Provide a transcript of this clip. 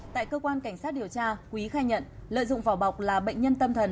tại cơ quan cảnh sát điều tra quý khai nhận lợi dụng vỏ bọc là bệnh nhân tâm thần